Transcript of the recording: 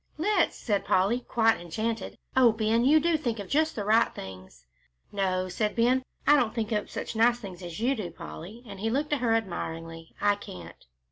"Let's," said Polly, quite enchanted. "Oh, Ben, you do think of just the right things." "No," said Ben, "I don't think up such nice things as you do, Polly," and he looked at her admiringly; "I can't."